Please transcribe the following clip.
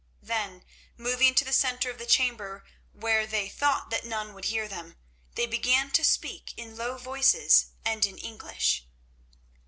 Then, moving to the centre of the chamber where they thought that none would hear them, they began to speak in low voices and in English.